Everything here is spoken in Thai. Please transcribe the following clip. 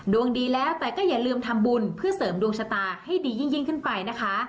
ดวงดีแล้วแต่ก็อย่าลืมทำบุญเพื่อเสริมดวงชะตาให้ดียิ่งขึ้นไปนะคะ